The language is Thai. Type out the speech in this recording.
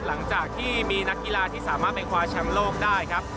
หลังจากที่มีนักกีฬาที่สามารถไปคว้าแชมป์โลกได้ครับ